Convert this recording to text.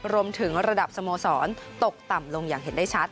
รวมถึงระดับสโมสรตกต่ำลงอย่างเห็นได้ชัด